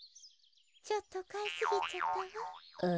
ちょっとかいすぎちゃったわ。